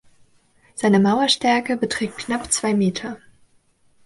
Seine Mauerstärke beträgt knapp zwei Meter.